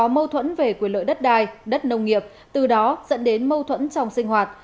mâu thuẫn về quyền lợi đất đai đất nông nghiệp từ đó dẫn đến mâu thuẫn trong sinh hoạt